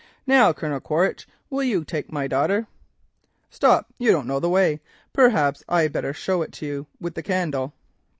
Now, Colonel Quaritch, will you take my daughter? Stop, you don't know the way—perhaps I had better show you with the candle."